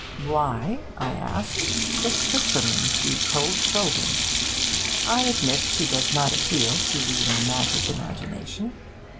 Why, I ask, should Switzerland be cold shouldered? I admit she does not appeal to the romantic imagination.